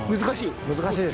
難しい？